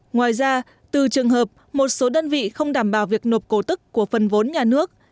ngoài ra từ trường hợp một số đơn vị không đảm bảo việc nộp cổ tức của phần vốn nhà nước